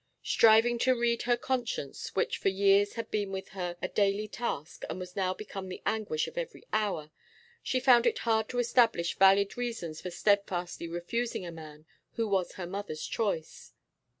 Striving to read her conscience, which for years had been with her a daily task and was now become the anguish of every hour, she found it hard to establish valid reasons for steadfastly refusing a man who was her mother's choice.